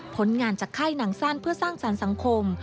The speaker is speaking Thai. ผลงานจากค่ายหนังสั้นเพื่อสร้างสรรค์สังคม